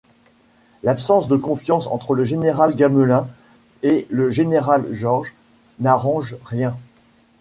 L'absence de confiance entre le général Gamelin et le général Georges n'arrange rien.